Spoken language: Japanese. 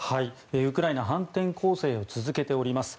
ウクライナ反転攻勢を続けております。